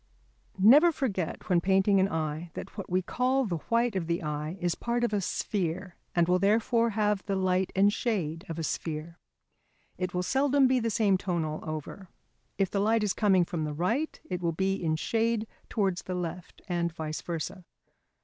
Never forget when painting an eye that what we call the white of the eye is part of a sphere and will therefore have the light and shade of a sphere. It will seldom be the same tone all over; if the light is coming from the right, it will be in shade towards the left and vice versa.